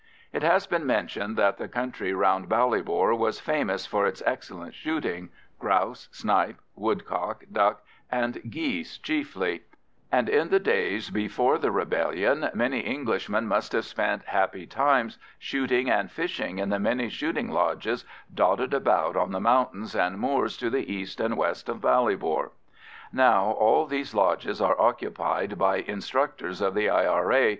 It has been mentioned that the country round Ballybor was famous for its excellent shooting, grouse, snipe, woodcock, duck, and geese chiefly; and in the days before the rebellion many Englishmen must have spent happy times shooting and fishing in the many shooting lodges dotted about on the mountains and moors to the east and west of Ballybor. Now all these lodges are occupied by instructors of the I.R.A.